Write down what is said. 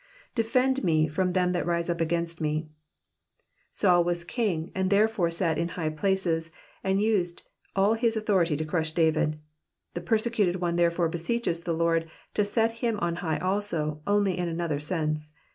^'D^end me from them that rise up against me."*^ Saul was a king, and therefore sat in high places, and used all his authority to crush David ; the persecuted one therefore beseeches the Lord to set him on high also, only in another sense.